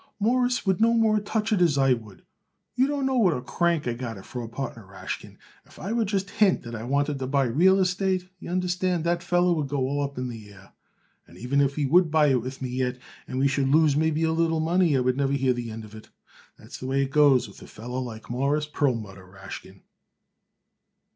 "Mawruss would no more touch it as I would. You don't know what a crank I got it for a partner, Rashkin. If I would just hint that I wanted to buy real estate, y'understand, that feller would go all up in the air. And even if he would buy it with me yet, and we should lose maybe a little money, I would never hear the end of it. That's the way it goes with a feller like Mawruss Perlmutter, Rashkin."